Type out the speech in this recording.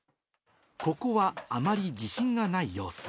ここはあまり自信がない様子。